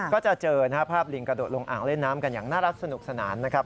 ก็จะเจอนะครับภาพลิงกระโดดลงอ่างเล่นน้ำกันอย่างน่ารักสนุกสนานนะครับ